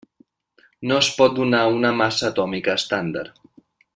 No es pot donar una massa atòmica estàndard.